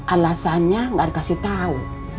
alasannya nggak dikasih tahu